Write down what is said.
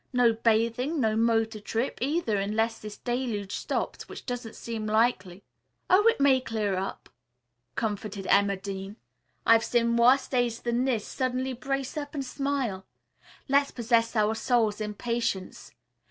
No bathing, no motor trip, either, unless this deluge stops, which doesn't seem likely." "Oh, it may clear up," comforted Emma Dean. "I've seen worse days than this suddenly brace up and smile. Let's possess our souls in patience.